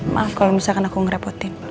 maaf kalau misalkan aku ngerepotin